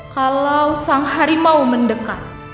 kalau sang harimau mendekat